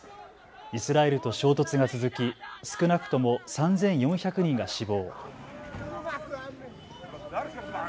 イスラエルと衝突が続き少なくとも３４００人が死亡。